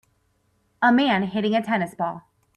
A man hitting a tennis ball.